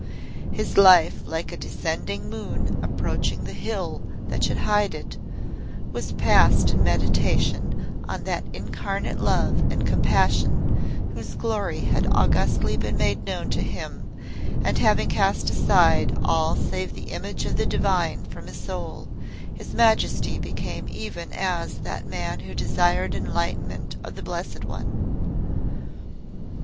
His life, like a descending moon approaching the hill that should hide it, was passed in meditation on that Incarnate Love and Compassion whose glory had augustly been made known to him, and having cast aside all save the image of the Divine from his soul, His Majesty became even as that man who desired enlightenment of the Blessed One.